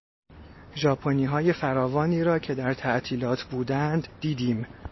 ژاپنیهای فراوانی را که در تعطیلات بودند دیدیم.